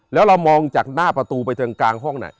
แล้วเรามองจากหน้าประตูไปถึงกลางห้องไหน